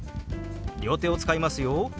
両手を使いますよ。